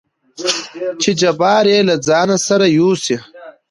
چې جبار يې له ځانه سره يوسي.